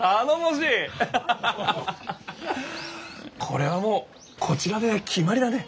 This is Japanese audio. これはもうこちらで決まりだね。